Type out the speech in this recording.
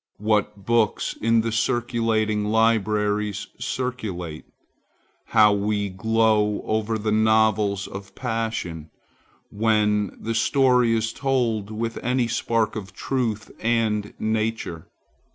What books in the circulating libraries circulate? How we glow over these novels of passion, when the story is told with any spark of truth and nature!